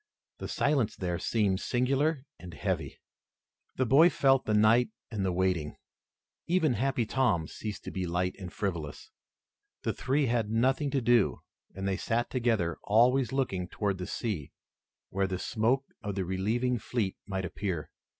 The silence there seemed singular and heavy. The boy felt the night and the waiting. Even Happy Tom ceased to be light and frivolous. The three had nothing to do and they sat together, always looking toward the sea where the smoke of the relieving fleet might appear.